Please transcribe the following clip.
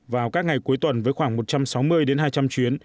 vào các ngày cuối tuần với khoảng một trăm sáu mươi đến hai trăm linh chuyến